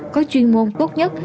có chuyên môn tốt nhất